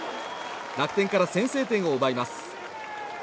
楽天から先制点を奪います。